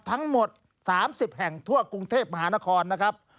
ทั้งหมด๓๐แห่งทั่วกรุงเทพมหานครนะครับ